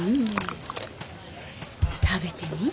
食べてみ。